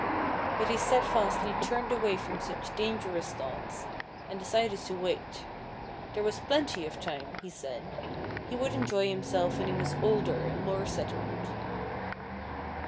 But he steadfastly turned away from such dangerous thoughts, and decided to wait. There was plenty of time, he said. He would enjoy himself when he was older and more settled.